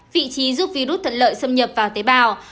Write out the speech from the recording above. vị trí giúp virus thuận lợi xâm nhập vào tế bào